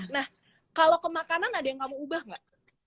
nah kalau ke makanan ada yang kamu ubah nggak